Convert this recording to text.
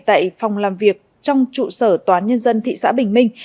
tại phòng làm việc trong trụ sở tòa án nhân dân thị xã bình minh